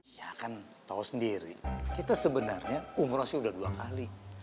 ya kan tau sendiri kita sebenarnya umur asli udah dua kali